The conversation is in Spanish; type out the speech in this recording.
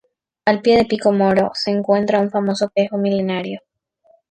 Al pie de Pico Moro se encuentra un famoso Tejo milenario.